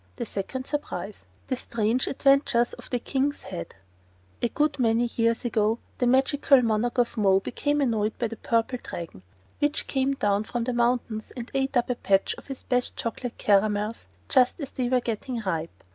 The Second Surprise THE STRANGE ADVENTURES OF THE KING'S HEAD A good many years ago, the Magical Monarch of Mo became annoyed by the Purple Dragon, which came down from the mountains and ate up a patch of his best chocolate caramels just as they were getting ripe.